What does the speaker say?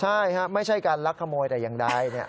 ใช่ไม่ใช่การลักขโมยแต่อย่างใด